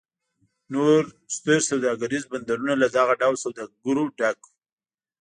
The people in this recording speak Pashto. نور ستر سوداګریز بندرونه له دغه ډول سوداګرو ډک و.